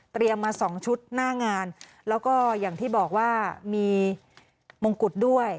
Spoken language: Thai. มาสองชุดหน้างานแล้วก็อย่างที่บอกว่ามีมงกุฎด้วย